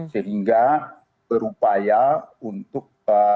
sehingga berupaya untuk